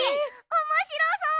おもしろそう！